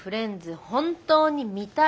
本当に見たい？